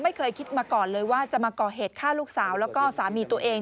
ไม่เคยคิดมาก่อนเลยว่าจะมาก่อเหตุฆ่าลูกสาวแล้วก็สามีตัวเอง